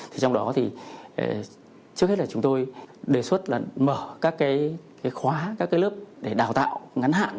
trong đó trước hết là chúng tôi đề xuất mở các khóa các lớp để đào tạo ngắn hạn